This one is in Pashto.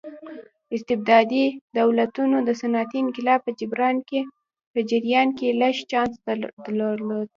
استبدادي دولتونو د صنعتي انقلاب په جریان کې لږ چانس درلود.